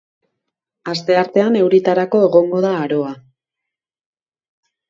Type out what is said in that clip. Asteartean euritarako egongo da aroa.